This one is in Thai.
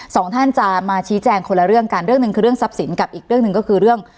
สองท่านจะมาชี้แจงคนละเรื่องกันเรื่องหนึ่งคือเรื่องทรัพย์สินกับอีกเรื่องหนึ่งก็คือเรื่อง